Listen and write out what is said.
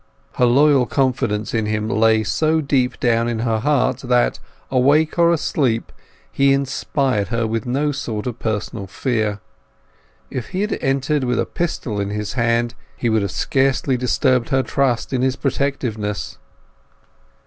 Her loyal confidence in him lay so deep down in her heart, that, awake or asleep, he inspired her with no sort of personal fear. If he had entered with a pistol in his hand he would scarcely have disturbed her trust in his protectiveness.